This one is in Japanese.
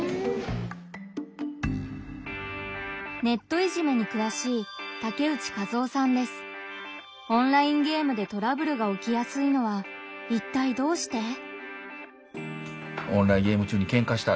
ネットいじめにくわしいオンラインゲームでトラブルが起きやすいのはいったいどうして？